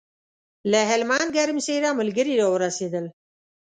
له هلمند ګرمسېره ملګري راورسېدل.